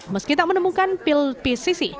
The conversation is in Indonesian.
meski tak menemukan pil pcc